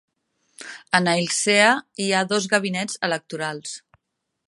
A "Nailsea" hi ha dos gabinets electorals.